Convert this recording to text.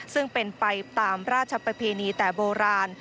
ซึ่งเป็นไปตามราชประเพณีแต่โบราณ